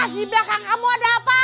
di belakang kamu ada apa